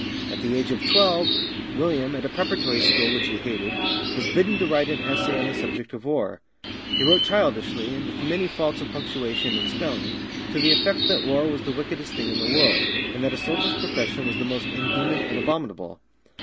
At the age of twelve, William, at a preparatory school which he hated, was bidden to write an essay on the subject of war. He wrote childishly, and with many faults of punctuation and spelling, to the effect that war was the wickedest thing in the world, and that a soldier's profession was the most inhuman and abominable.